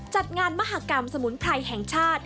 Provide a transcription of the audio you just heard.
จัดงานมหากรรมสมุนไพรแห่งชาติ